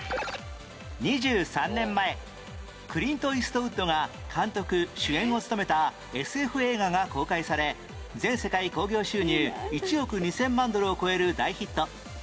２３年前クリント・イーストウッドが監督・主演を務めた ＳＦ 映画が公開され全世界興行収入１億２０００万ドルを超える大ヒット